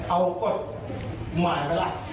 เอากฎหมายไปละ